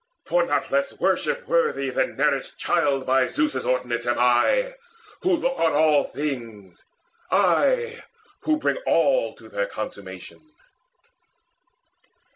For not less worship worthy Than Nereus' Child, by Zeus's ordinance, Am I, who look on all things, I, who bring All to their consummation.